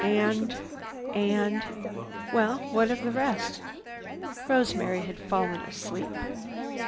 And—and— Well, what of the rest? Rosemary had fallen asleep.